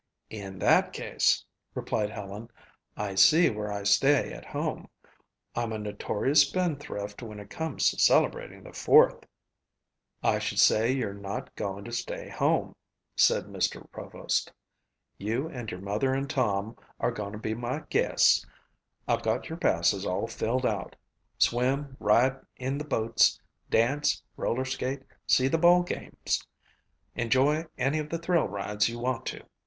"In that case," replied Helen, "I see where I stay at home. I'm a notorious spendthrift when it comes to celebrating the Fourth." "I should say you're not goin' to stay home," said Mr. Provost. "You and your mother and Tom are goin' to be my guests. I've got your passes all filled out. Swim, ride in the boats, dance, roller skate, see the ball games, enjoy any of the 'thrill rides' you want to.